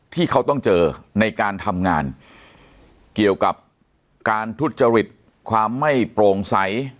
ที่เขาต้องเจอในการทำงานเกี่ยวกับการทุจริตความไม่โปร่งใส